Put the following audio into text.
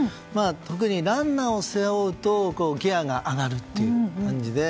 特にランナーを背負うとギアが上がるという感じで。